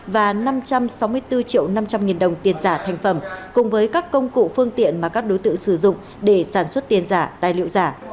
và năm trăm sáu mươi bốn năm triệu đồng tiền giả thành phẩm cùng với các công cụ phương tiện mà các đối tượng sử dụng để sản xuất tiền giả tài liệu giả